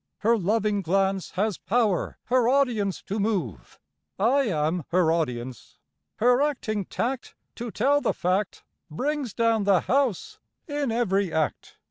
Her loving glance Has power her audience to move I am her audience. Her acting tact, To tell the fact, "Brings down the house" in every act.